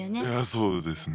そうですね。